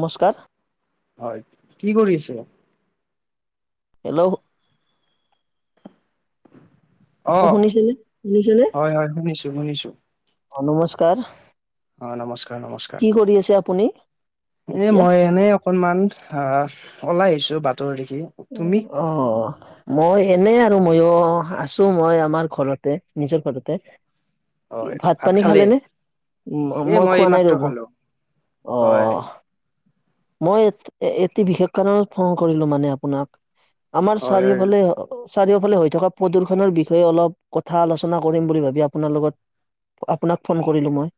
নমস্কাৰ হয়! কি কৰি আছে? হেল্ল'? অ'! শুনিছেনে, শুনিছেনে? হয় হয় শুনিছো শুনিছো অ'! নমস্কাৰ। অ'! কি কৰি আছে আপুনি নমস্কাৰ-নমস্কাৰ। এ, এতিয়া মই এনে, অকণমান ওলাই আহিছোঁ, আঁ বাটৰ দেখি। তুমি উম, অ' অ'! মই এনে আৰু মইয়ো আছোঁ, মই আমাৰ ঘৰতে, নিজৰ ঘৰতে। হয় ভাত পানী খালে খালেনে? মই, এ মই এই খোৱা নাই, মাত্ৰ ৰ'ব। খালো অ হয়! মই, এটি বিশেষ কাৰণত ফোন কৰিলোঁ মানে, আপোনাক। আমাৰ হয় হয় চাৰিওফালে, চাৰিওফালে হৈ থকা, প্ৰদূ্ষণৰ বিষয়ে অলপ, কথা আলোচনা কৰিম বুলি ভাবি, আপোনাৰ লগত আপোনাক ফোন কৰিলোঁ মই।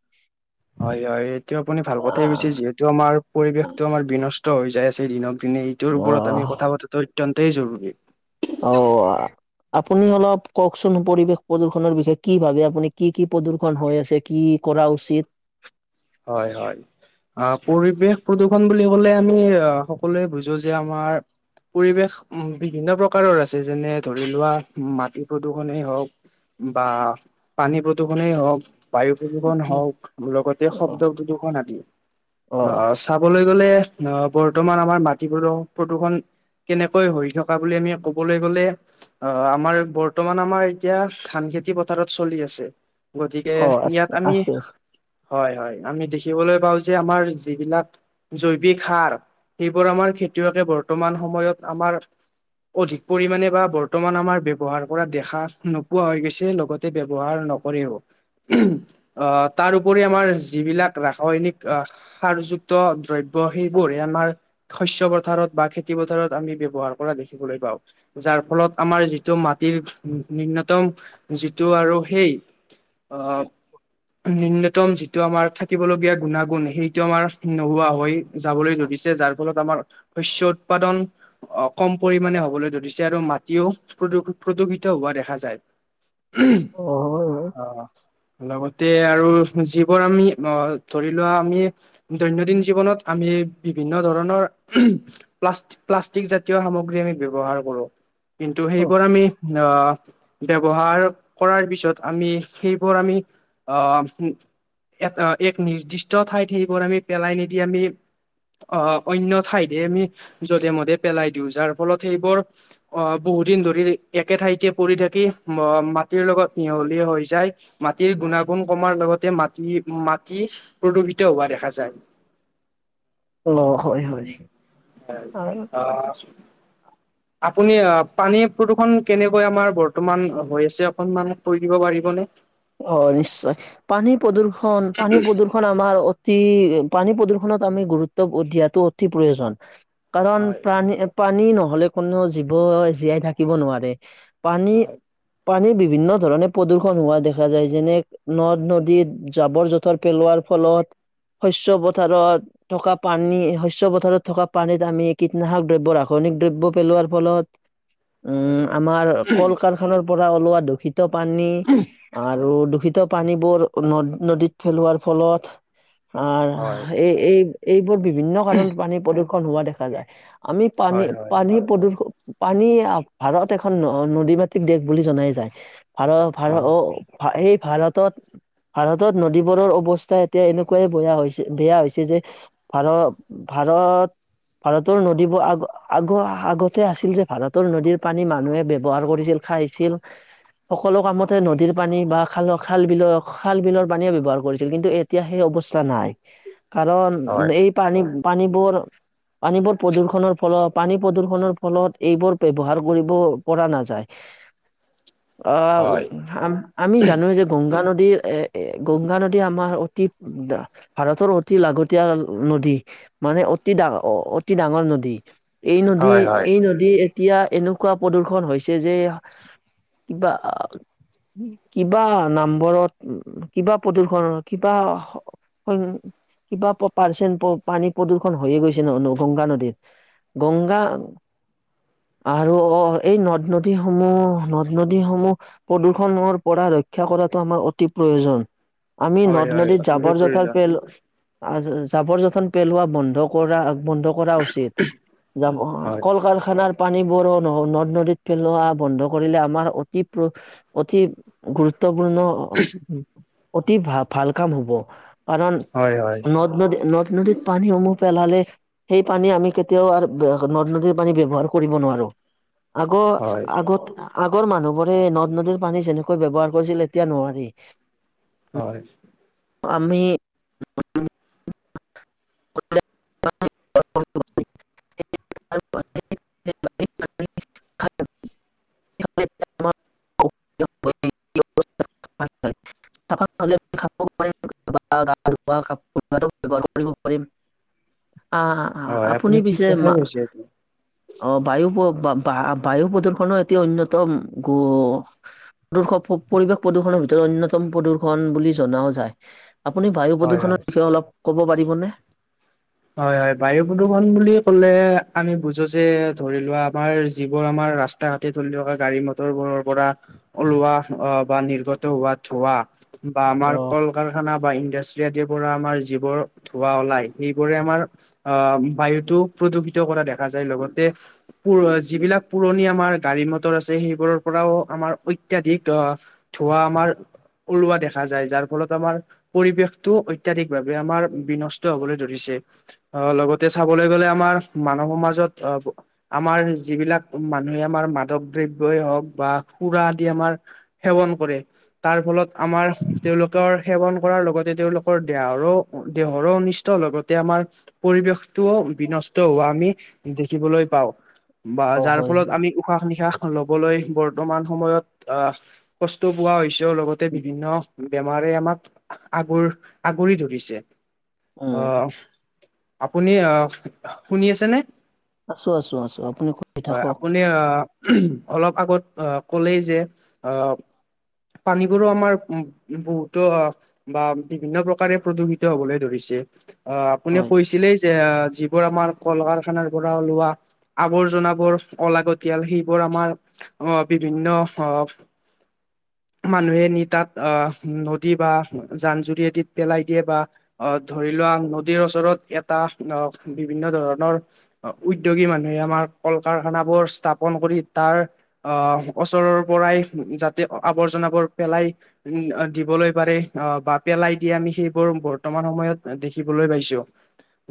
হয়, হয়! এইটো আপুনি, ভাল কথাই কৈছে। যিহেতু, আমাৰ পৰিৱেশটো আমাৰ বিনষ্ট হৈ যায় আছে, দিনক দিনে। এইটোৰ মই ওপৰত অ আমি, কথা পতাতো অত্যন্তই জৰুৰী। অ'! আপুনি অলপ কওঁকচোন? পৰিৱেশ প্ৰদূৰ্ষনৰ বিষয়ে, কি ভাবে, আপুনি কি কি প্ৰদূ্ষন হৈ আছে? কি কৰা উচিত? হয়, হয়! অ'! পৰিৱেশ প্ৰদূষণ বুলি ক'লে, আমি সকলোৱে বুজো যে আমাৰ পৰিৱেশ উম, বিভিন্ন প্ৰকাৰৰ আছে যেনে, ধৰি লোৱা, মাটি প্ৰদূৰষণেই হওঁক বা পানী প্ৰদূষণেই হওঁক, বায়ু প্ৰদূষণ হওঁক, লগতে অ', শব্দ প্ৰদূষণ আদি। অ' অ'! চাবলৈ গ'লে, অ'! বৰ্তমান আমাৰ, মাটি প্ৰদু প্ৰদূষণ কেনেকৈ হৈ থকা বুলি, আমি কবলৈ গ'লে, অ' আমাৰ, বৰ্তমান আমাৰ এতিয়া, ধান খেতি পথাৰত চলি আছে। গতিকে, অ', আছে ইয়াত আমি, আছে আছে হয়, হয়! আমি দেখিবলৈ পাওঁ যে, আমাৰ যিবিলাক জৈৱিক সাৰ, সেইবোৰ আমাৰ খেতিয়কে, বৰ্তমান সময়ত, আমাৰ অধিক পৰিমাণে বা বৰ্তমান আমাৰ, ব্যৱহাৰ কৰা দেখা নোপোৱা হৈ গৈছে, লগতে ব্যৱহাৰ ন কৰেও। উম, অ'! তাৰ উপৰি আমাৰ, যিবিলাক ৰাসায়নিক আঁ সাৰ যুক্ত দ্ৰব্য, সেইবোৰে আমাৰ, শস্য পথাৰত বা খেতি পথাৰত আমি, ব্যৱহাৰ কৰা দেখিবলৈ পাওঁ। যাৰ ফলত, আমাৰ যিটো মাটিৰ নিম্নতম যিটো আৰু সেই, অ'! নিম্নত তম যিটো আমাৰ, থাকিবলগীয়া গুণাগুণ, সেইটো আমাৰ, নোহোৱা হৈ যাবলৈ ধৰিছে। যাৰ ফলত, আমাৰ শস্য উৎপাদন অ' কম পৰিমাণে হ'বলৈ ধৰিছে। আৰু মাটিও, প্ৰদূ প্ৰদূষিত হোৱা দেখা যায়। অ'! লগতে আৰু যিবোৰ আমি, অ'! ধৰি লোৱা আমি, দৈনন্দিন জীৱনত, আমি বিভিন্ন ধৰণৰ উম, প্লাষ্ট-প্লাষ্টিক জাতীয় সামগ্ৰী, আমি ব্যৱহাৰ কৰোঁ। কিন্তু, সেইবোৰ আমি, আঁ ব্যৱহাৰ কৰাৰ পিছত, আমি, সেইবোৰ আমি, আঁ এ, এক নিৰ্দিষ্ট ঠাইত, সেইবোৰ আমি, পেলাই নিদি আমি, আঁ অন্য ঠাইতে, আমি যধে-মধে পেলাই দিওঁ, যাৰ ফলত সেইবোৰ, অ'! বহুদিন ধৰি একে ঠাইতে, পৰি থাকি, ম মা মাটিৰ লগত মিহলি হৈ যায়। মাটিৰ গুণাগুণ কমাৰ লগত তে মাটি মাটিছ প্ৰদূষিত হোৱা দেখা যায়। অ', হয় হয়। [unintelligible] আপুনি আ পানী প্ৰদূ্ষণ কেনেকৈ আমাৰ বৰ্তমান হৈ আছে অকমান দিব পাৰিবনে, অ', নিশ্চয় পানী প্ৰদূ্ষন পানী প্ৰদূ খন আমাৰ অতি পানী প্ৰদূ্ষনত আমি গুৰুত্ব দিয়াতো অতি প্ৰয়োজন। কাৰণ হয় প্ৰাণী পানী নহলে কোনো জীৱই জীয়াই থাকিব নোৱাৰে। পানী হয় পানী বিভিন্ন ধৰণে প্ৰদূষণ হোৱা দেখা দেখা যায়, যেনে নদ নদীত জাবৰ জোঁথৰ পেলোৱাৰ ফলত। শস্য পথাৰত, থকা পানী শস্য পথাৰত থকা পানীত আমি কীটনাশক দ্ৰব্য ৰাসায়নিক দ্ৰব্য পেলোৱাৰ ফলত। উম হয় আমাৰ কল কাৰখানাৰ পৰা ওলোৱা দূষিত পানী, আৰু দূষিত পানীবোৰ নদ নদীত পেলোৱাৰ ফলত, অ হয় এই এই এইবোৰ বিভিন্ন কাৰণত পানী প্ৰদূ্ষন হোৱা দেখা যায়। আমি পানী পানী প্ৰদূষণ পানী ভাৰত এখন ন নদী মাতৃক দেশ বুলি জনাই যায়। ভাৰ ভাৰ হয় হয় অ এই ভাৰতত, ভাৰতত নদীবোৰৰ অৱস্থা এতিয়া এনেকুৱাই বেয়া হৈছে বেয়া হৈছে যে, আৰু ভাৰত ভাৰতৰ নদীবোৰ আগ আগ আগতে আছিল যে ভাৰতৰ নদীৰ পানী মানুহে ব্যৱহাৰ কৰিছিল। খাইছিল, সকলো কামতে নদীৰ পানী বা খাল খাল বিলৰ খাল বিলৰ পানীয়ে ব্যৱহাৰ কৰিছিল কিন্তু এতিয়া সেই অৱস্থা নাই। কাৰণ এই পানী পানীবোৰ পানীবোৰ প্ৰদূৰ্ষনৰৰ ফলত পানী প্ৰদূৰ্ষনৰ ফলত এইবোৰ ব্যৱহাৰ কৰিব পৰা নাযায়। হয় আহ আ আমি জানো যে গংগা নদীৰ এ, এ গংগা নদী আমাৰ অতি ভাৰতৰ অতি লাগতিয়াল নদী। মানে অতি ডা অ অতি ডাঙৰ নদী এই নদী হয় হয় এই নদী, এতিয়া এনেকুৱা প্ৰদূ্ষন হৈছে যে কিবা আ কিবা নাম্বৰত কিবা প্ৰদূ্ষনত কিবা সং কিবা পাৰ্চন পানী প্ৰদূষণ হৈয়ে গৈছে ন গংগা নদীত। গংগা আৰু অ এই নদ নদীসমূহ নদ নদীসমূহ প্ৰদূ খনৰ পৰা ৰক্ষা কৰাটো আমাৰ অতি প্ৰয়োজন। আমি হয় নদ হয় নদীত অতিকৈ যাবৰ প্ৰয়োজন যথৰ পেল আৰু জাবৰ যথৰ পেলোৱা বন্ধ কৰা, আগ বন্ধ কৰা উচিত, যাব হয় কল কাৰখানাৰ পানীবোৰো ন নদ নদীত পেলোৱা বন্ধ কৰিলে আমাৰ অতি প্ৰ অতি, গুৰুত্বপূৰ্ণ অতি ভাল ভাল কাম হব। কাৰণ হয় হয় নদ নদী ন নদীত পানীসমূহ পেলালে সেই পানী আমি কেতিয়াও আৰু নদ নদীৰ পানী ব্যৱহাৰ কৰিব নোৱাৰো। হয় আগৰ আগত আগৰ মানুহবোৰে নদ নদীৰ পানী যেনেকৈ ব্যৱহাৰ কৰিছিল এতিয়া নোৱাৰি। হয় পামি [unintelligible] [unintelligible] [unintelligible] [unintelligible] [unintelligible] পাৰমি আহ হয়, আপুনি ঠিক কথাই কৈছে এইটো। অ', বায়ু বা বায়ু প্ৰদূ্ষণো এটিয়া অন্যতম গো প্ৰদূষণ, পৰিৱেশ প্ৰদূষনৰ ভিতৰত অন্যতম প্ৰদূষন বুলি জনাও যায়। আপুনি বায়ু হয় হয় প্ৰদূষণৰ বিষয়ে অলপ ক'ব পাৰিবনে? হয়, হয়, বায়ু প্ৰদূষণ বুলি ক'লে, আমি বুজো যে, ধৰি লোৱা আমাৰ যিবোৰ আমাৰ ৰাষ্ট্ৰ তাহঁতে তুলি থকা, গাড়ী-মটৰবোৰৰ পৰা ওলোৱা বা নিৰ্গত হোৱা ধোঁৱা বা অ আমাৰ কল-কাৰখানা বা ইণ্ডাষ্ট্ৰি আদিৰ পৰা আমাৰ যিবোৰ ধোৱা ওলাই, এই বোৰে আমাৰ, আহ বায়ুটো প্ৰদূষিত কৰা দেখা যায়, লগতে পুৰ যিবিলাক পুৰণি আমাৰ গাড়ী-মটৰ আছে, সেইবোৰৰ পৰাও আমাৰ অত্যাধিক আহ ধোঁৱা আমাৰ ওলোৱা দেখা যায়, যাৰ ফলত আমাৰ পৰিৱেশটো অত্যাধিকভাৱে আমাৰ বিনষ্ট হ'বলৈ ধৰি ৰিচে, আহ লগতে চাবলৈ গ'লে আমাৰ মানৱ সমাজত আহ আমাৰ যিবিলাক, মানুহে আমাৰ মাদক দ্ৰব্যই হওক বা সুৰা আদি আমাৰ সেৱন কৰে, তাৰ ফলত আমাৰ তেওঁলোকৰ সেৱন কৰাৰ লগতে তেওঁলোক কৰ, দেহৰো, দেহৰো অনিষ্ট লগত তে, আমাৰ পৰিৱেশটোও বিনষ্ট হোৱা আমি দেখিবলৈ পাওঁ। বা অ যাৰ হয় ফলত আমি উশ উশাহ-নিশাহ ল'বলৈ বৰ্তমান সময়ত আহ কষ্ট পোৱা হৈছ তেওঁলগতে বিভিন্ন বেমাৰে আমাক আগুৰ, আগুৰি ধৰিছে। উম অহ, আপুনি অ', আপুনি শুনি আছেনে? আছোঁ, আছোঁ, আছোঁ, আপুনি কৈ থাকক। নে আহ, অলপ আগত আহ ক'লেই যে আহ পানীবোৰো আমাৰ উম, বহুতো বা বিভিন্ন প্ৰকাৰে প্ৰদূষিত হ'বলৈ ধৰিছে, আহ আপুনি হয় কৈছিলেই যে, যি সেইবোৰ আমাৰ কল-কাৰখানাৰ পৰা ওলোৱা আৱৰ্জনাবোৰ অলাগতিয়াল, সেইবোৰ আমাৰ অ', বিভিন্ন অহ মানুহে নি তাত, অ', নদী বা জান-জুৰি আদিত পেলাই দিয়ে, বা আহ ধৰি লোৱা নদীৰ ওচৰত এটা, আহ বিভিন্ন ধৰণৰ উদ্যোগী মানুহে, আমাৰ কল-কাৰখানাবোৰ স্থাপন কৰি তাৰ অহ, ওচৰৰ পৰাই যাতে আৱৰ্জনাবোৰ পেলাই দিবলৈ পাৰে, অ', বা পেলাই দিয়া আমি সেইবোৰ বৰ্তমান সময়ত দেখি বলৈ পাইছো,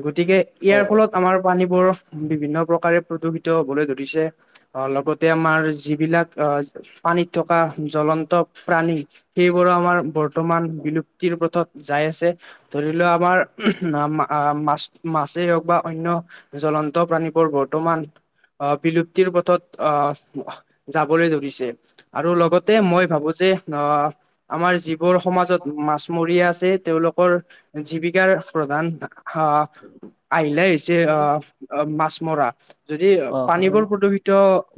গতিকে অ ইয়াৰ ফলত আমাৰ পানীবোৰ বিভিন্ন প্ৰকাৰে প্ৰদূষিত হ'বলৈ ধৰিছে। অ', লগতে আমাৰ যিবিলাক, আহ পানীত থকা জ্বলন্ত প্ৰাণী সেইবোৰো আমাৰ বৰ্তমান বিলুপ্তিৰ পথত যাই আছে, ধৰি লও আমাৰ [unintelligible] মাছ মাছেই হওক বা অন্য জ্বলন্ত প্ৰাণীবোৰ বৰ্তমান অ', বিলুপ্তিৰ পথত অ'। যাবলৈ ধৰিছে, আৰু লগতে অ মই ভাবো যে অহ আমাৰ যিবোৰ সমাজত মাছমৰীয়া আছে, তেওঁলোকৰ জীৱিকাৰ প্ৰধান আ আহিলাই হৈছে আহ মাছ মৰা। যদি অ হয় পানীবোৰ প্ৰদূষিত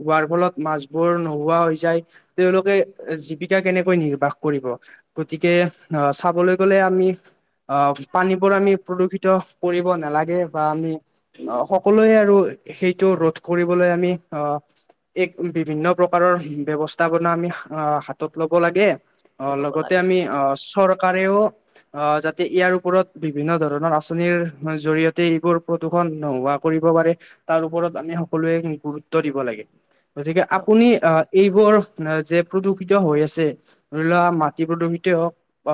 হোৱাৰ ফলত মাছবোৰ নোহোৱা হৈ যায়। তেওঁলোকে জীৱিকা কেনেকৈ নিৰ্বাহ কৰিব। গতিকে আ চাবলৈ গ'লে আমি অ পানী। বোৰ আমি প্ৰদূষিত। কৰিব নালাগে বা আমি। সকলোৱে আৰু সেইটো ৰোধ কৰিবলৈ আমি অঁহ। এক বিভিন্ন প্ৰকাৰৰ ব্যৱস্থাপনা আমি আ হাতত ল'ব লাগে। অ ক'ব লগতে লাগে আমি চৰকাৰেও আহ যাতে ইয়াৰ ওপৰত। বিভিন্ন ধৰণৰ আঁচনিৰ জৰি়য়তে এইবোৰ প্ৰদূষণ নোহোৱা কৰিব পাৰে। তাৰ ওপৰত আমি সকলোৱে গুৰুত্ব দিব লাগে গতিকে অ আপুনি আ। এইবোৰ যে প্ৰদূষিত হৈ আছে ধৰি লোৱা মাটি প্ৰদূষিত হওক। অ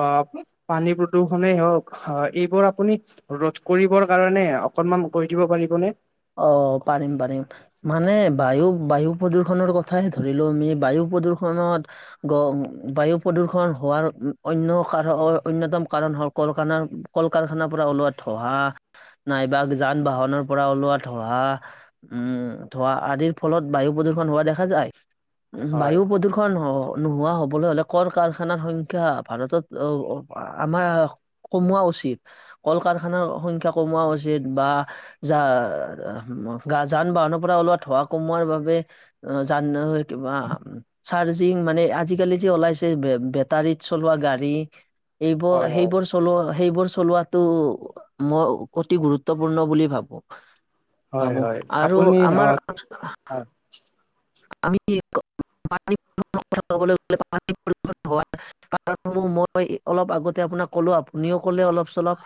পানী প্ৰদূষণেই হওক হয়। এইবোৰ আপুনি ৰোধ কৰিবৰ কাৰণে অকনমান কৈ দিব পাৰিবনে। অ, পাৰিম পাৰিম। মানে বায়ু বায়ু প্ৰদূষনৰ কথাহে ধৰিলো আমি বায়ু প্ৰদূষনত। গ বায়ু প্ৰদূ্ষন হোৱাৰ অন্য কাৰ অন্যতম কাৰণ হ'ল কলখানা। কল-কাৰখানাৰ পৰা ওলোৱা ধোৱা নাইবা যান-বাহনৰ পৰা ওলোৱা। ধোঁৱা উম, ধোঁৱা আদিৰ ফলত বায়ু প্ৰদূ্ষণ হোৱা দেখা যায়। হয় বায়ু প্ৰদূ। খন নোহোৱা হবলৈ হলে কৰ কাৰখানাৰ সংখ্যা ভাৰতত আমাৰ। কমোৱা উচিত কল কাৰখানাৰ সংখ্য্া কমোৱা উচিত বা যা। গা যান বাহনৰ পৰা ওলোৱা ধোঁৱা কমোৱাৰ বাবে যান কিবা। চাৰ্জিং মানে আজিকালি যে ওলাইছে বে বেটাৰীত চলোৱা গাড়ী। এইবো হয় হয় সেইবোৰছ। চলোৱা সেইবোৰ চলোৱাটো মই অতি গুৰুত্বপূৰ্ণ বুলি ভাবো। হয় ভাবো হয় আৰু আপুনি অ। আমাৰ [unintelligible] [inaudible] মই অলপ আগতে আপোনাক কলো আপুনিও কলে অলপ চলপ।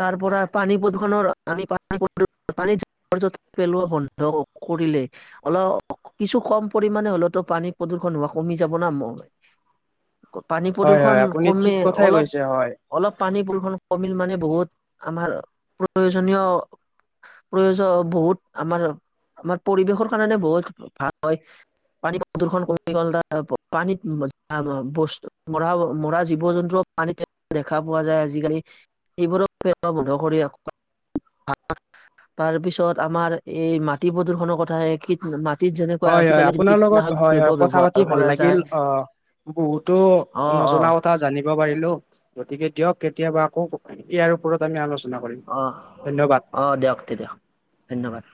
তাৰ পৰা পানী প্ৰদূষণৰ আমি। [unintelligible] [inaudible] পেলোৱা বন্ধ কৰিলে অল। কিছু কম পৰিমাণে হলেতো পানী প্ৰদূৰষণ হোৱা কমি যাব ন ম। পানী হয় হয় প্ৰদূ্ষন আপুনি কমে ঠিক কথাই অলপ। কৈছে হয়। অলপ পানী বৰষণ কমিল মানে বহুত আমাৰ প্ৰয়োজনীয়। প্ৰয়োজন বহুত আমাৰ আমাৰ পৰিৱেশৰ কাৰণে বহুত ভাল হয়। পানী প্ৰদূ্ষণ কমি গ'ল [inaudible] পানীত বস্তু মৰা মৰা জীৱ-জন্তু। পানী দেখা পোৱা যায় আজিকালি এইবোৰো [unintelligible] বন্ধ কৰি ৰাখ। [unintelligible] তাৰ পিছত আমাৰ এই মাটি প্ৰদূ্ষনৰ কথাহে [inaudible] হয় হয় আপোনাৰ লগত হয় হয় কথা পাতি ব্যৱহাৰ ভাল কৰা লাগিল যায় অ। বহুতো অ', নজনা অ', কথা জানি। ব পাৰো গতিকে দিয়ক কেতিয়াবা আকৌ ইয়াৰ ওপৰত আমি আলোচনা। কৰিম অ ধন্যবাদ। অ দিয়ক তেতিয়া ধন্যবাদ।